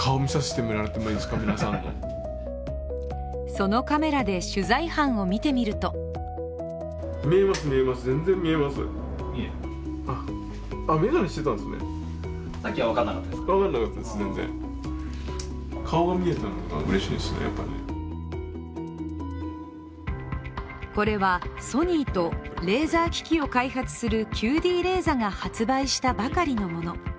そのカメラで取材班を見てみるとこれは、ソニーとレーザー機器を開発するＱＤレーザが発売したばかりのもの。